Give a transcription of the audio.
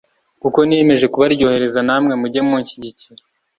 kuko niyemeje kubaryohereza namwe mujye munshyigikira